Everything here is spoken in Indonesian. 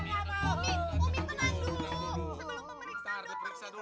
umi tenang dulu sebelum pemeriksa dulu